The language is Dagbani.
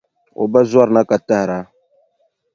O ba zɔrina ka tahira.